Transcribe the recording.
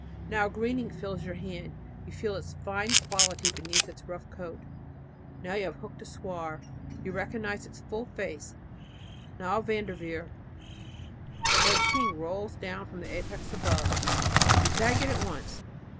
Now a greening fills your hand, you feel its fine quality beneath its rough coat. Now you have hooked a swaar, you recognize its full face; now a Vandevere or a King rolls down from the apex above, and you bag it at once.